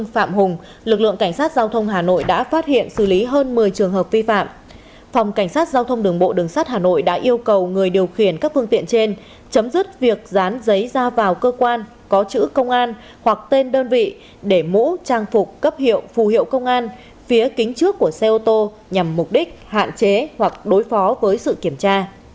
phòng cảnh sát giao thông đường bộ đường sát hà nội đã yêu cầu người điều khiển các phương tiện trên chấm dứt việc dán giấy ra vào cơ quan có chữ công an hoặc tên đơn vị để mũ trang phục cấp hiệu phù hiệu công an phía kính trước của xe ô tô nhằm mục đích hạn chế hoặc đối phó với sự kiểm tra